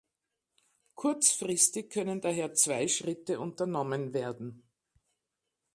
Kurzfristig können daher zwei Schritte unternommen werden.